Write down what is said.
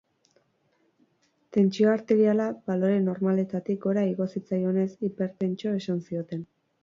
Tentsio arteriala balore normaletatik gora igo zitzaionez, hipertentso esan zioten.